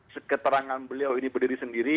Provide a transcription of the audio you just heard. seketerangan beliau ini berdiri sendiri